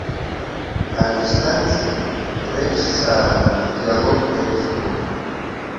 Адистанициа, реиҿцаара, рдиалог иаҭыԥуп.